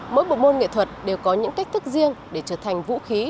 mỗi bộ môn nghệ thuật đều có những cách thức riêng để trở thành vũ khí